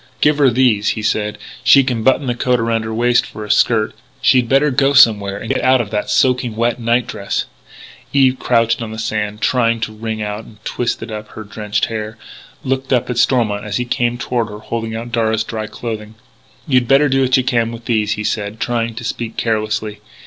"Give her these," he said. "She can button the coat around her waist for a skirt. She'd better go somewhere and get out of that soaking wet night dress " Eve, crouched on the sand, trying to wring out and twist up her drenched hair, looked up at Stormont as he came toward her holding out Darragh's dry clothing. "You'd better do what you can with these," he said, trying to speak carelessly....